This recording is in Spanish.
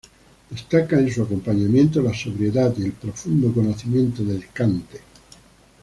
Destaca en su acompañamiento la sobriedad y el profundo conocimiento del cante.